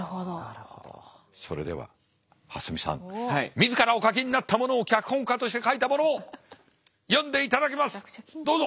自らお書きになったものを脚本家として書いたものを読んでいただきますどうぞ！